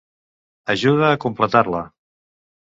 Ajuda a completar-la!